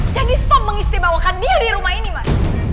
jadi stop mengistimbawakan dia di rumah ini mas